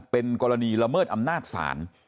เป็นกรณีละเมิดอำนาจศาล